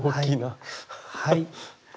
はい。